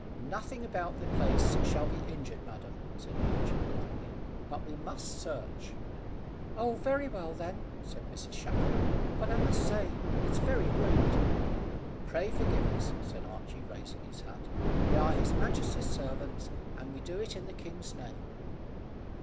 "Nothing about the place shall be injured, madam," said Archy politely; "but we must search." "Oh, very well then," said Mrs Shackle; "but I must say it's very rude." "Pray, forgive us," said Archy, raising his hat; "we are His Majesty's servants, and we do it in the king's name."